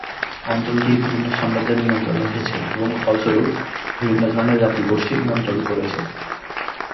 অঞ্চলটি বিভিন্ন সাম্রাজ্যের নিয়ন্ত্রণে এসেছে এবং ফলস্বরূপ, বিভিন্ন ধরনের জাতিগোষ্ঠী নিমন্ত্রণ করেছে।